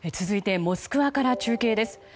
続いて、モスクワから中継です。